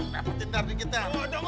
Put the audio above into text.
ya kejap deh kejap tuh